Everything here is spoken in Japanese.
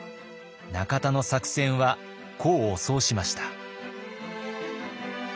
中田の作戦は功を奏しました。